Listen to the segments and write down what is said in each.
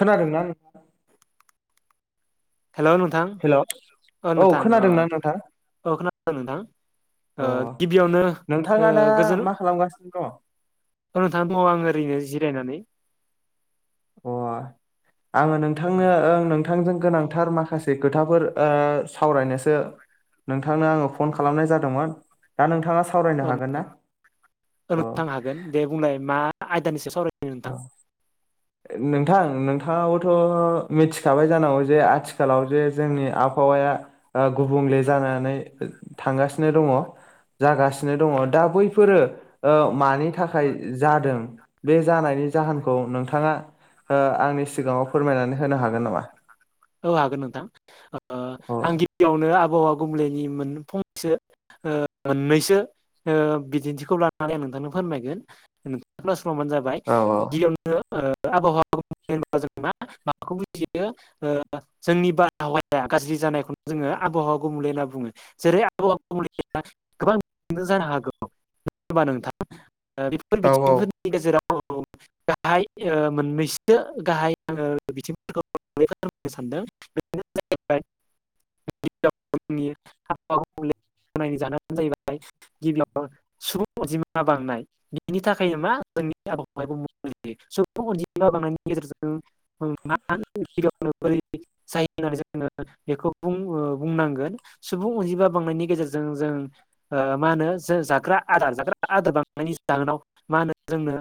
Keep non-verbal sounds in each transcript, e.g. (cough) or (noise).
खोनादोंना नों हेल' नोंथां हेलौ ओ औ नोंथां ओ खोनादोंना नोंथां? औ खोनादों नोंथां ओ अ गिबियावनो ओ नोंथाङा दा गोजोन मा खालामगासिनो दङ? औ नोंथां दङ आं ओरैनो जिरायनानै। अ आङो नोंथांनो ओं नों थांजों गोनांथार माखासे खोथाफोर ओ सावराय नोसो नोंथांनो आङो फन खालामनाय जादोंमोन दा नोंथाङा सावरायनो औ हागोन ना? नोंथां औ नोंथां हागोन दे बुंलाय मा आयदानिसो सावराय अ नोंथां नों नोंथांआबोथ' मिथिखाबाय जानांगौ जे आथिखालाव जे जोंनि आबहावाया गुबुं बले जानानै थांगासिनो दङ। जागास सिनोदङ दा बैफोर ओ मानि थाखाय जादों बे जानायनि जाहोनखौ नोंथाङा आंनि ओ सिगाङाव फोरमायनानै होनो हागोन नामा? औ हागोन नोंथां ओ अ आं औ गिबियावनो ओ आबहावा गुबुंलेनि मोन फंनैसो ओ मोननैसो ओ बिदिन्थिखौ लानानै आं नोंथांनो फोरमायगोन। (unintelligible) (unintelligible) जाबाय औ गिबियावनो ओ आबहावा जों मा माबाखौ बुजियो जोंनि बारहावाया गाज्रि जानायखौनो जोङो आबहावा गुबुंले होनना बुङो। जेरै आबहावा (unintelligible) गोबां जानो हागौबा नोंथां ओ बेफोर औ औ बिथिंफोरनि गेजेराव औ गाहाय ओ मोननैसो गाहाय ओ बिथिंफोरखौ (unintelligible) दों (unintelligible) (unintelligible) जानो जाहैबाय गिबियाव सुबुं अनजिमा बांनाय बेनि थाखायनो मा जोंनि आबहावा गुबुंले जायो। सुबुं अनजिमा (unintelligible) ला बांनायनि गेजेरजों म (unintelligible) (unintelligible) जोङो बेखौ बुं-बुंनांगोन सुबुं अनजिमा बांनायनि गेजेरजों जों ओं ओ मा होनो जों जाग्रा आदार जाग्रा आदार बांनायनि जाहोनाव मा होनो जोंनो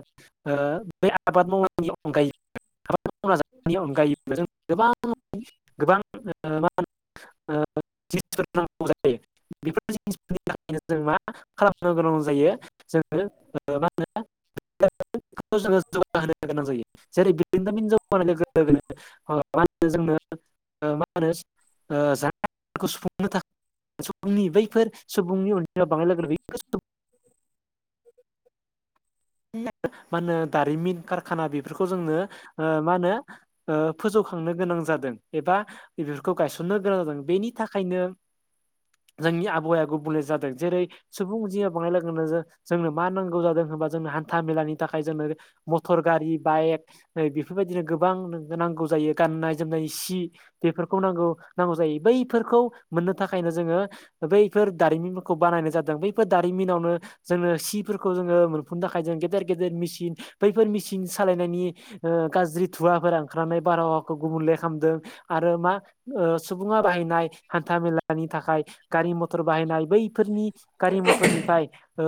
ओ बै आबाद मावनायनि अनगायै खामानि मावना जानायनि अनगायैबो जों गोबां गोबां मा होनो ओ जिनिसफोर नांगौ जायो बेफोर जिनिस नो जों मा खालामनो गोनां जायो जोङो मा होनो खौ जोङो जौगा होनो गोनां जायो जेरै बिरोंदामिनजों लोगो लोगोनो मा होनो जोंनो मा होनो जानायफोरखौ सुफुंनो थाखाय सुबुंनि बैफोर सुबुंनि अनजिमाया बांनाय लोगो लोगोयै (unintelligible) मा होनो दारिमिन कारखाना बेफोरखौ जोंनो ओ मा होनो ओ फोजौखां नो गोनां जादों एबा बेफोरखौ गायसननो गोनां जादों बेनि थाखायनो जोंनि आ बया गुबुंले जादों जेरै सुबुं अनजिमा बांनाय लोगों लोगों‌ जोंनो मा नांगौ जादों होनबा जोंनो हान्था मेलानि थाखाय जों मटर गारि बाइक बेफोरबायदिनो गोबां नांगौ जायो गाननाय जोमनाय सि बेफोरखौ नांगौ नांगौ जायो बैफोरखौ मोननो थाखायनो जोङो। बैफोर दारिमिनफोरखौ बानायनाय जादों बैफोर दारिमिनावनो जोङो सिफोरखौ जोङो जों थाखाय जों गेदेर गेदेर मेसिन बैफोर मेसिन सालायनायनि ओ गाज्रि थुवाफोर ओंखारनानै बारहावाखौ गुबले खालामदों आरो मा ओ सुबुङा बाहाय हान्था मेलानि थाखाय गारि मथर बाहायनाय बैफोरनि गारि मथरनिफ्राय ओ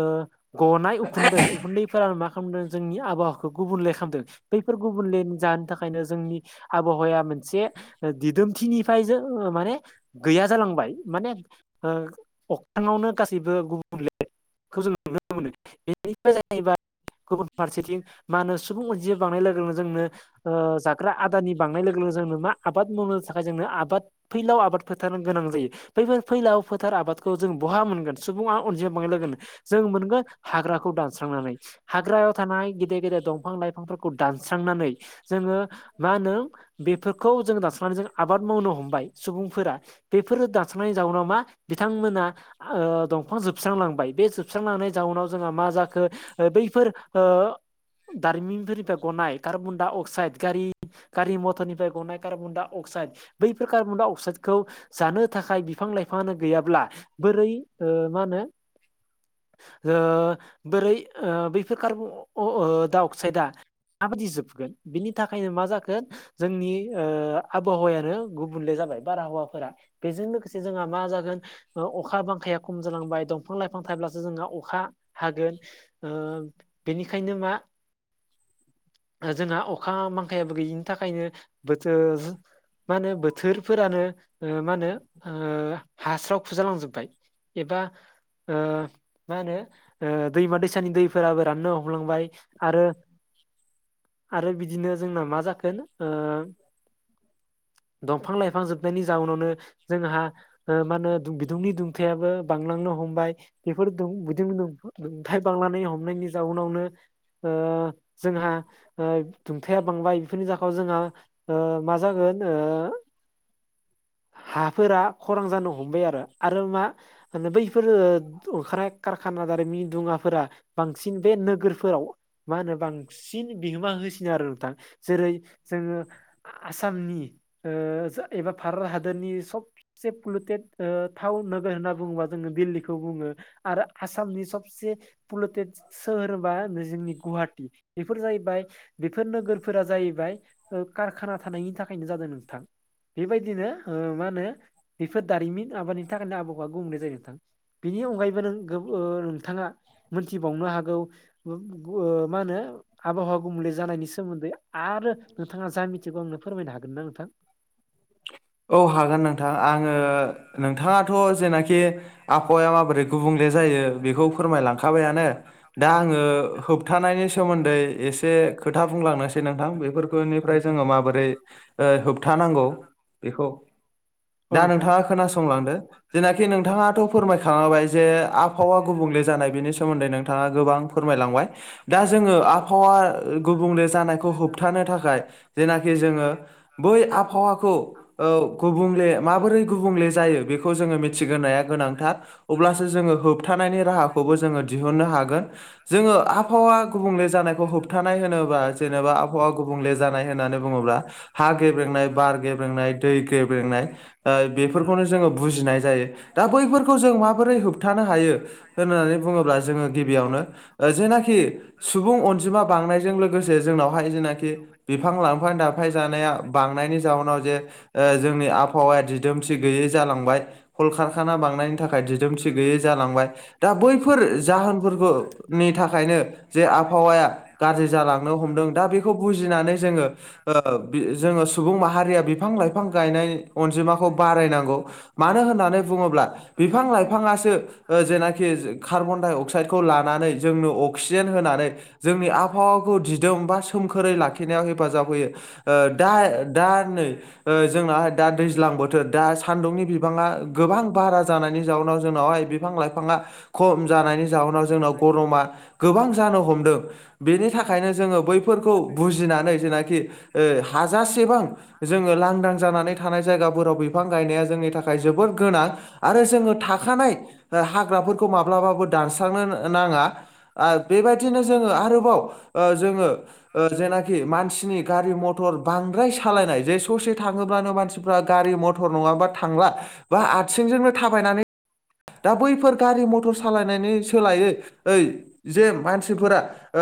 गनाय उ उखुन्दै उखुन्दैफोर मा खालामदों जोंनि आबहावाखौ गुबुनले खालामदों बैफोर गुबुनले जानो थाखायनो जों आबहावा मोनसे दिदोमथिनिफ्राय माने गैया जालांबाय। (unintelligible) बेफोर जाहैबाय। गुबुन फारसेथिं मा होनो सुबुं अनजिमा बांनाय लोगो लोगो जोंनो ओ आदारनि बांनाय लोगो लोगो जोंनो मा आबाद मावनो थाखाय जोंनो आबाद फैलाव आबाद फोथारनि गोनां जायो। बैफोर फैलाव फोथार आबादखौ जों बहा मोनगोन सुबुङा अनजिम बांनाय लोगो लोगो जों मोनगोन हाग्रा खौ दानस्रांनानै हाग्रायाव थानाय गेदेर गेदेर दंफां लाइफांफोरखौ दानस्रांनानै जोङो मा होनो बेफोरखौ जों दानास्रांनानै जों आबाद मावनो हमबाय सुबुंफोरा बेफोर दान नाय जाउनाव मा बिथांमोना ओ दंफां जोबस्रांलांबाय बे जोबस्रांलांनाय जाउनाव जोंहा मा जाखो बैफोर ओ दारिमिनफोरनिफ्राय गनाय कार्बन डाइ अक्साइद गारि गारि मटरनिफ्राय गनाय कार्बन डा अक्साइड। साइड बैफोर कार्बनडाइ अक्साइडखौ जानो थाखाय बिफां लाइफाङानो गैयाब्ला बोरै ओ मा होनो ओ बोरै ओ बैफोर कार्ब अ-अ डा अक्साइडआ माबायदि जोबगोन बिनि थाखायनो मा जाखो जोंनि ओ आबहावायानो गुबुंले जा जाबाय बार हावाफोरा बेजों लोगोसे जोंहा मा जागोन अखा बांखाया खम जालांबाय दंफां लायफां थाब्लासो जोंहा अखा हागोन ओ बेनिखायनो मा जोंहा अखा बांखायाबो गैयिनि थाखायनो बोथोर मा होनो बो थोरफोरानो मा होनो ओ हास्राव खुस्राव जालांजोब्बाय एबा ओ मा होनो ओ दैमा दैसानि दैफोराबो राननो हमलांबाय। आरो। आरो बिदिनो जोंना मा जाखोन ओ दंफां लाइफां जोब नायनि जाउनावनो जोंहा ओ मा होनो बिदुंनि दुंथायाबो बांलांनो हमबाय बे (unintelligible) दुंथाय बांलांनायनि हमनायनि जाउनावनो ओ जोंहा ओ दुंथाया बांबाय बेफोरनि जाखाव जोंङो ओ मा जागोन? हाफोरा। खरान जानो हमबाय आरो आरो मा मे बैफोरो ओंखारनाय कारखाना दारै मि दुङा फोरा बांसिन बे नोगोरफोराव मा होनो बांसिन बिहोमा होसिनो आरो नोंथां जेरै जोङो आसामनि ओ जो एबा भारत हादरनि सबसे पलुटेड ओ थाउन नोगोर होनना बुङोबा जोङो दिल्लीखौ बुङो आरो आसामनि सबसे पुलटेड सोहोर होनबा जोंनि गुवाहाटि बेफोर जाहैबाय बेफोर नोगोरफोरा जाहैबाय कारखाना थानायनि थाखायनो जादों नोंथां बेबायदिनो। ओ मा होनो बेफोर दारिमिन आबादनि थाखायनो आबहावा गुबुंले जायो नोंथां। बिनि अनगायैबो नों गो ओ नोंथाङा मोनथिबावनो हागौ (unintelligible) मा होनो? आबहावा गुबुंले जानायनि सोमोन्दै आरो नोंथाङा जा मिथिगौ आंनो फोरमायनो हागोन ना नोंथां। औ हागोन नोंथां आङो। नोंथाङाथ' जेनाखि आबहावाया माबोरै गुबुंले जायो बेखौ फोरमाय लांखाबायानो। दा आङो होबथानायनि सोमोन्दै एसे खोथा बुंलांनोसै नोंथां बेफोर फोरनिफ्राय औ नोंथां जोङो माबोरै ओ होबथानांगौ बेखौ औ दा नोंथां नोंथाङा खोनासंलांदो। जेनाखि नोंथाङाथ' फोरमायखाङाबाय जे आबावा गुबुंले जानाय बेनि सोमोन्दै नोंथाङा गोबां फोरमाय। लांबाय दा जोङो आबहावा गुबुंले जानायखौ होबथानो थाखाय जेनाखि जोङो बै आबहावाखौ ओ गुबुंले माबोरै गुबुंले। जायो बेखौ जोङो मिथिग्रोनाया गोनांथार अब्लासो जोङो होबथानायनि राहाखौबो जोङो दिहुननो हागोन। जोङो आबहावा गुबुंले जानायखौ होबथानाय होनोबा जेनेबा आबहावा गुबुंले जानाय होननानै बुङोब्ला हा गेब्रेंनाय बार गेब्रेंनाय दै गेब्रेंनाय ओ बे फोरखौनो जोङो बुजिनाय जायो दा बैफोरखौ जों माबोरै होबथानो हायो होननानै बुङोब्ला जों गिबियावनो जेनाखि सुबुं अनजिमा बांनायजों लोगोसे जोंनावहाय जेनाखि बिफ बिफां लांफां दाफाय जानाया बांनायनि जाउनाव जे जोंनि आबहावाया दिदोम गैयै जालांबाय कल कारखाना बांनायनि थाखाय दिदोमथि गैयै जालांबाय दा बैफोर जा फोरखौनि थाखायनो जे आबहावाया गाज्रि जालांनो हमदों दा बेखौ बुजिनानै जोङो। ओ बि जोङो सुबुं माहारिया बिफां लाइफां गायनाय अनजिमाखौ बारायनांगौ मानो होननानै बुङोब्ला बिफां लाइफांसो जेनाखि कार्बन डाइ अक्साइडखौ लानानै जोंनो अक्सिजेन होनानै जोंनि आबहावाखौ दिदोम बा सोमखोरै लाखिनायाव हेफाजाब होयो दा दा नै जोंनाहाय दा दैज्लां बोथोर दा सान्दुंनि बिबाङा गोबां बारा जानायनि जाउनाव जोंनावहाय बिफां लाइफाङा खम जानाय नि जाउनाव जोंनाव गरमा गोबां जानो हमदों बेनि थाखायनो जोङो बैफोरखौ बुजिनानै जेनाखि ओ हाजासेबां जोङो लांदां जानानै थानाय जायगाफोराव बे बिफां गायनाया जोंनि थाखाय जोबोर गोनां आरो जोङो थाखानाय ओ हाग्राफोरखौ माब्लाबाबो दानस्रांनो नाङा बेबायदिनो जोङो आरोबाव जोङो जेनाखि मानसिनि गारि मथर बांद्राय सालायनाय जे ससे थाङोब्लानो मानसिफ्रा गारि मथर मटर नङाबा थांला बा आसिंजोंनो थाबायनानै दा बैफोर गारि मथर सालायनायनि सोलायै ओइ जे मानसिफोरा ओ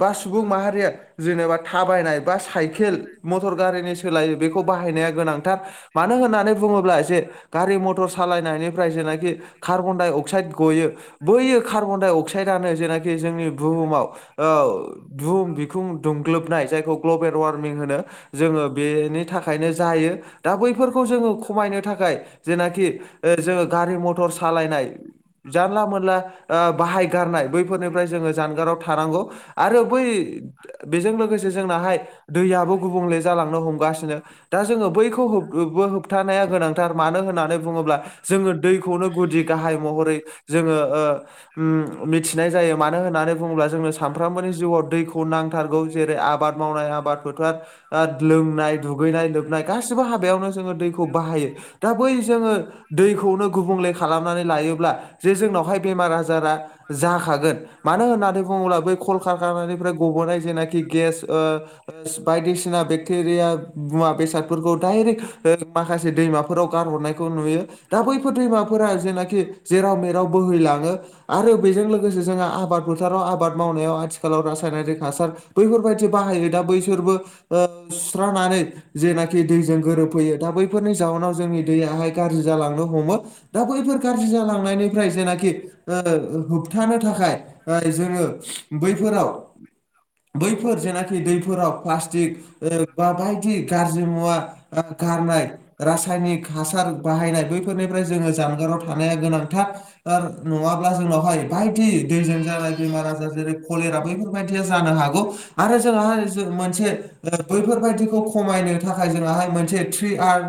बा सुबुं माहारिया जेनेबा थाबायनाय बा साइकेल मटर गारिनि सोलायो बेखौ बा बाहायनाया गोनांथार मानो होननानै बुङोब्ला जे गारि मथर सालायनायनिफ्राय जेनाखि कार्बन डाइ अक्साइड गयो बैयो कार्बन डाइ अक्साइडानो जेनाखि जोंनि बुहुमाव ओ बुहुम बिखुं दुंग्लोबनाय जायखौ ग्लबेल वारमिं होनो जोङो बेनि थाखायनो जायो दा बैफोरखौ जोङो खमायनो थाखाय जेनाखि जोङो गारि मथर सालायनाय जानला मोनला ओ बाहायगारनाय बैफोरनिफ्राय जोङो जानगाराव थानांगौ। आरो बै बेजों लोगोसे जोंनाहाय दैयाबो गुबुंले जालांनो हमगासिनो दा जोङो बैखौ होबथानाया गोनांथार मानो होननानै बुङोब्ला जोङो दैखौनो गुदि गाहाय महरै जोङो ओ मिथिनाय जायो मानो होननानै बुङोब्ला जोङो सानफ्रामबोनि जिउआव दैखौ नांथारगौ जेरै आबाद मावनाय आबाद फोथार आ लोंनाय दुगै दुगैनाय लोबनाय गासैबो हाबायावनो जोंङो दैखौ बाहायो दा बै जोंङो दैखौनो गुबुं खालामनानै लायोब्ला जे जोंनावहाय बेमार आजारा जाखागोन मानो होननानै बुङोब्ला बै कलखारखाना ग'बोनाय जेना खि गेस ओ ओ बायदिसिना बेकटिया मुवा बेसाद फोरखौ दायरेक माखासे दैमाफोराव गारहरनायखौ नुयो दा बैफोर दैमाफोरा जेनाखि जेराव मेराव बोहैलाङो आरो बेजों लोगोसे जोंहा आबाद फोथाराव आबाद मावनायाव आथिखालाव रासायनारि हासार बैफोरबायादि बाहायो दा बैसोरबो ओ स्रा जेनाखि दैजों गोरोब बैफोरनि जाहनाव जोंनि दैयाहाय गाज्रि जालांनो हमो दा बैफोर गाज्रि जालांनाइनिफ्राय जेनाखि ओ होबथानो थाखाय जोंङो बैफोराव बैफोर जेनाखि दैफोराव पालस्टिक ओ बा बायदि गाज्रि मुवा ओ, गारनाय रासायनिक हासार बाहायनाय बैफोरनिफ्राय जोङो जानगारनाया गोनांथार। ओ नङाब्ला जोंनावहाय बायदि दैजों जानाय बेमार आजार जेरै कलेरा बैफोरबादिआ जानो हागौ आरो जोंहाय मोनसे बैफोरबायदिखौ खमायना थाखाय जोंआहाय मोन से ट्रि आर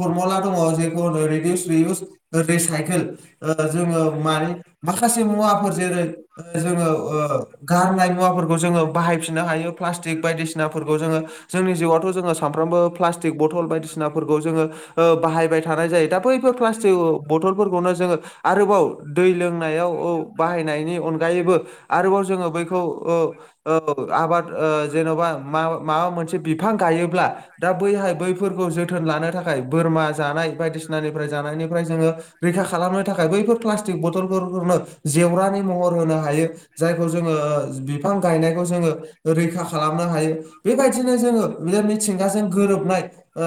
फरमुला दङ जायखौ होननो रेडिउस डिउस रि साइखेल ओ जोंङो मानि माखासे मुवाफोर जेरै ओ जोंङो ओ गारनाय मुवाफोरखौ जोंङो बाहाय फिननो प्लास्टिक बायदिसिना फोरखौ जोंङो जोंनि जिउ आवथ' जोंङो सानफ्रामबो प्लास्टिक बथल बायदिसिनाफोरखौ जोङो ओ बाहायबाय थानाय जायो दा बैफोर प्लास्टिक बथलफोरखौनो जोङो आरोबाव दै लोंनायाव औ बाहायनायनि अनगायैबो आरोबाव जोंङो बैखौ ओ ओ आबाद ओ जेनबा मा माबा मोनसे बिफां गायोब्ला दा बैहाय बेफोरखौ जों जोथोन लानो थाखाय बोरमा जानाय बायदिसिनानिफ्राय जानायनायनिफ्राय जोङो रैखा खालामनो थाखाय बैफोर प्लासट प्लास्टिक बथलफोरखौनो जेवरानि महर होनो हायो जायखौ जोङो बिफां गायनायखौ जोङो रैखा खालामनो हायो। बेबायदिनो जोंङो बे मिथिंगाजों गोरोबनाय ओ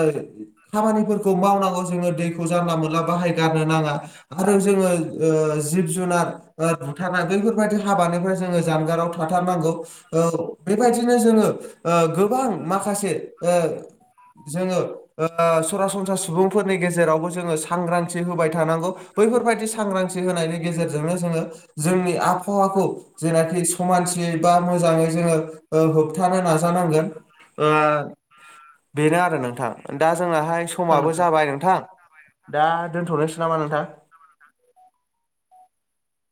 खामानिफोरखौ मावनाङा जोङो दैखौ जानला मोनला बाहाय गारनो नाङा आरो जोंङो ओ जिब जुनार ओ बुथारनाय बेैफोरबायदि हाबा फोरावबो जोङो जानगाराव थाथारनांगौ ओ बेबायदिनो जोंङो ओ गोबां माखासे ओ जोङो ओ सरासनस्रा सुबुंफोरनि गेजेरावबो जोङो सांग्रां होबाय थानांगौ बैफोरबायदि सांग्रांथि होनायनि गेजेरजोंनो जोंङो जोंनि आबहावाखौ जेनाखि समानसियै बा मोजाङै जोंङो ओ होबथानो नाजानांगोन। ओ बेनो आ नोंथां दा जोंनाहाय समाबो जाबाय नोंथां दा दोनथ'नोसै नामा नोंथां?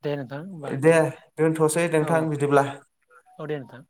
दे नोंथां होमबा दे दोनथ'सै औ नोंथां बिदिब्ला। औ दे नोंथां।